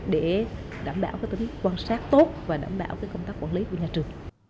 để đảm bảo tính quan sát tốt và đảm bảo công tác quản lý của nhà trường